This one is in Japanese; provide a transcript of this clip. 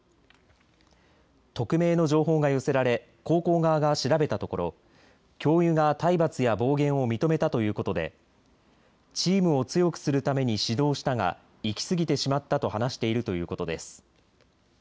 匿名の情報が寄せられ高校側が調べたところ教諭が体罰や暴言を認めたということでチームを強くするために指導したが行きすぎてしまったと話しているということです。